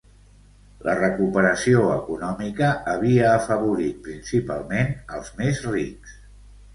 La recuperació econòmica havia afavorit principalment als més rics.